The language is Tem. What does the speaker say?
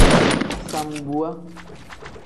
Sambuwa.